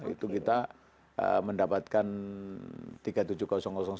itu kita mendapatkan